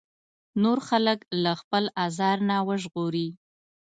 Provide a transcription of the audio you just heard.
نور خلک له خپل ازار نه وژغوري.